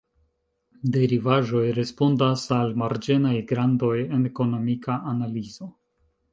Derivaĵoj respondas al marĝenaj grandoj en ekonomika analizo.